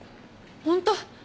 ホント？